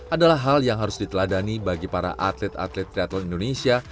adalah hal yang harus diteladani bagi para atlet atlet triathlon indonesia